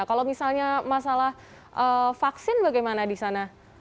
kalau misalnya masalah vaksin bagaimana di sana